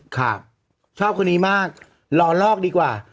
ครับชอบคนนี้มากรอลอกดีกว่า